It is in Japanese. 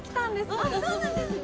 あっそうなんですね